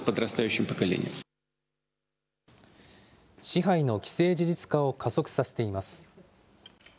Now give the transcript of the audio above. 支配の既成事実化を加速させています。